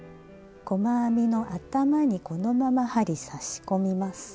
細編みの頭にこのまま針差し込みます。